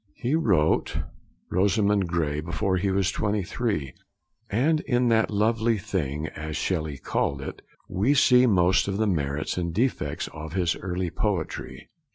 He wrote Rosamund Gray before he was twenty three, and in that 'lovely thing,' as Shelley called it, we see most of the merits and defects of his early poetry.